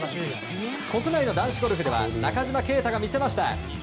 国内の男子ゴルフでは中島啓太が見せました。